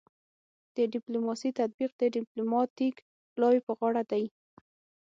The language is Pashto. د ډیپلوماسي تطبیق د ډیپلوماتیک پلاوي په غاړه دی